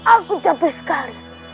aku capek sekali